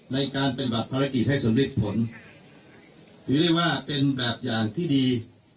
ในการปฏิบัติภารกิจให้สำเร็จผลถือได้ว่าเป็นแบบอย่างที่ดี